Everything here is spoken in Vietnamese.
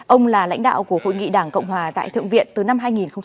ông là lãnh đạo của hội nghị đảng cộng hòa tại thượng viện từ năm hai nghìn bảy